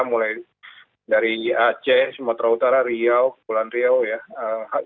mulai dari aceh sumatera utara riau kepulauan riau ya